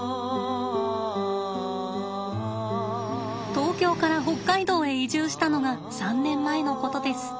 東京から北海道へ移住したのが３年前のことです。